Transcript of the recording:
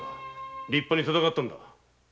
立派に闘ったのだ。